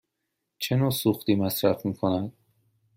چه نوع سوختی مصرف می کند؟